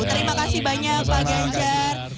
terima kasih banyak pak ganjar